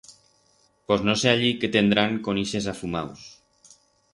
Pos no sé allí qué tendrán con ixes afumaus.